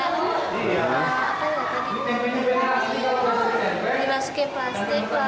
dan memudahkan alrededor dari tenaga pembentuk yang penting